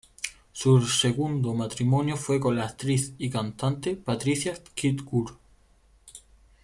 Su segundo matrimonio fue con la actriz y cantante Patricia Kirkwood.